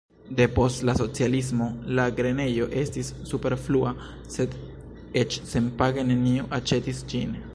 Depost la socialismo la grenejo estis superflua, sed eĉ senpage neniu aĉetis ĝin.